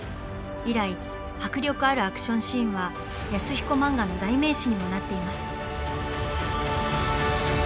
以来迫力あるアクションシーンは安彦漫画の代名詞にもなっています。